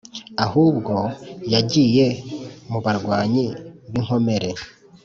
ahubwo yagiye mubarwanyi binkomere